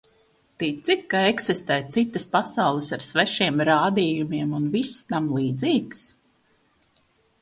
Tici, ka eksistē citas pasaules ar svešiem rādījumiem un viss tam līdzīgs?